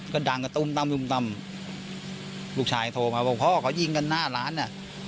ก็ดังก็ตุ้มตำปุ้มตำลูกชายโทรมาพ่อขอยิงกันหน้าร้านเนี่ย